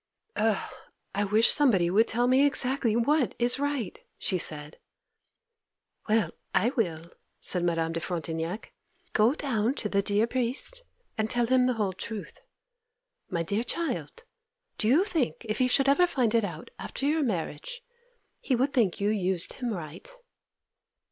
'Oh, I wish somebody would tell me exactly what is right!' she said. 'Well, I will!' said Madame de Frontignac. 'Go down to the dear priest and tell him the whole truth. My dear child, do you think if he should ever find it out after your marriage, he would think you used him right?